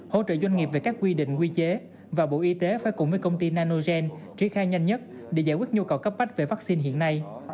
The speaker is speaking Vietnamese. hỗ trợ doanh nghiệp về các quy định quy chế và bộ y tế phải cùng với công ty nanogen triển khai nhanh nhất để giải quyết nhu cầu cấp bách về vaccine hiện nay